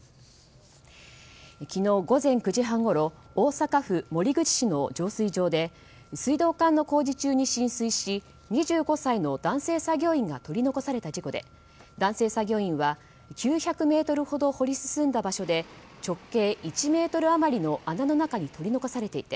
昨日午前９時半ごろ大阪府守口市の浄水場で水道管の工事中に浸水し２５歳の男性作業員が取り残された事故で男性作業員は９００ｍほど掘り進んだ場所で直径１ｍ余りの穴の中に取り残されていて